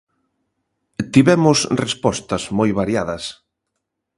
Tivemos respostas moi variadas.